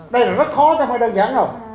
đây là rất khó chứ không phải đơn giản đâu